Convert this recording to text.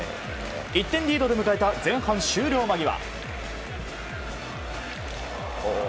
１点リードで迎えた前半終了間際。